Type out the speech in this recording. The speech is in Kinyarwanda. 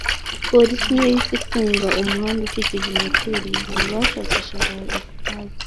Polisi yahise ifunga umuhanda ukikije hoteri igihe bashakishaga igisasu